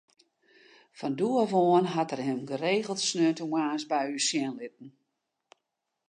Fan doe ôf oan hat er him geregeld sneontemoarns by ús sjen litten.